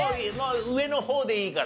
上の方でいいから。